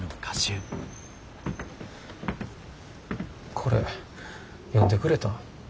これ読んでくれたん。